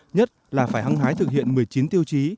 nhất là phải hăng hái thực hiện một mươi chín tiêu chí